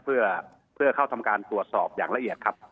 เพื่อเข้าทำการตรวจสอบอย่างละเอียดครับ